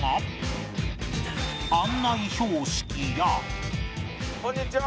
案内標識や